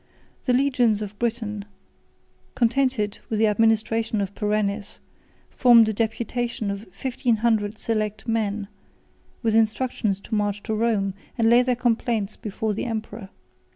The legions of Britain, discontented with the administration of Perennis, formed a deputation of fifteen hundred select men, with instructions to march to Rome, and lay their complaints before the emperor.